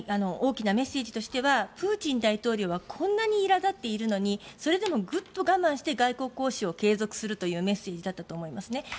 大きなメッセージとしてはプーチン大統領はこんなにいら立っているのにそれでもぐっと我慢して外交交渉を継続するというメッセージだと思うんですね。